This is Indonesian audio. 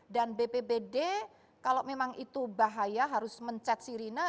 dan bpbd kalau memang itu bahaya harus mencet sirine